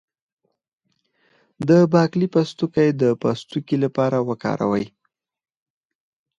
د باقلي پوستکی د پوستکي لپاره وکاروئ